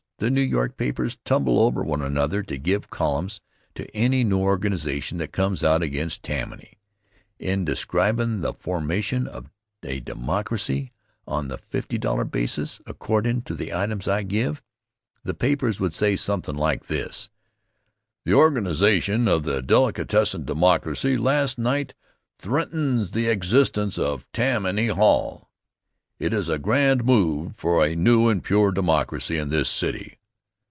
The New York papers tumble over one another to give columns to any new organization that comes out against Tammany. In describin' the formation of a "Democracy" on the $50 basis, accordin' to the items I give, the papers would say somethin' like this: "The organization of the Delicatessen Democracy last night threatens the existence of Tammany Hall. It is a grand move for a new and pure Democracy in this city.